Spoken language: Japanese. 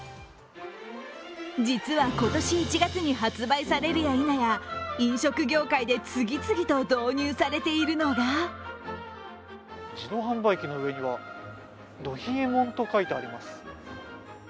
実は今年１月に発売されるやいなや飲食業界で次々と導入されているのが自動販売機の上には、ど冷えもんと書いてあります。